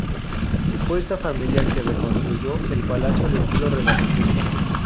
Fue esta familia, que reconstruyó el palacio al estilo renacentista.